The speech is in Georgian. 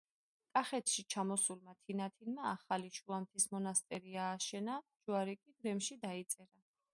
კახეთში ჩასულმა თინათინმა ახალი შუამთის მონასტერი ააშენებინა, ჯვარი კი გრემში დაიწერა.